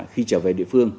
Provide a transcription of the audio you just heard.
khi trở về địa phương